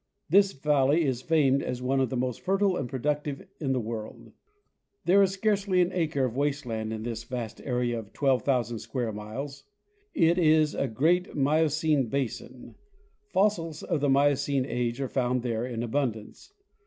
This valley is famed as one of the most fertile and productive in the world. There is scarcely an acre of waste land in this 276 John H. Mitchell— Oregon vast area of 12,000 square miles. It is a great Miocene basin; fossils of the Miocene age are found there in abundance.